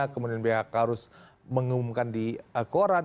kemudian bhk harus mengumumkan di koran